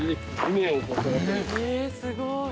えーすごい！